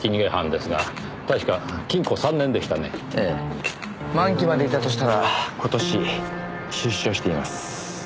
満期までいたとしたら今年出所しています。